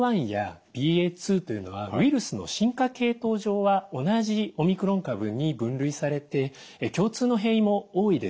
ＢＡ．１やＢＡ．２というのはウイルスの進化系統上は同じオミクロン株に分類されて共通の変異も多いです。